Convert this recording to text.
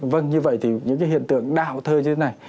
vâng như vậy thì những cái hiện tượng đạo thơ như thế này